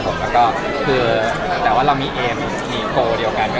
พอว่าเขาให้เป็นคนดื่มนะคะ